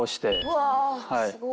うわすごっ。